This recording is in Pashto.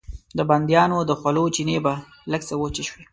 د بنيادمانو د خولو چينې به لږ څه وچې شوې.